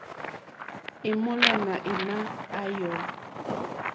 È mólánà émá à yɔ̌.